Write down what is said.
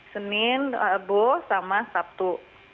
senin ebu sama sabtu